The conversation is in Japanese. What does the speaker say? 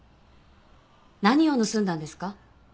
何を盗んだんですか？